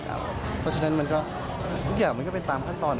เพราะฉะนั้นมันก็ทุกอย่างมันก็เป็นตามขั้นตอน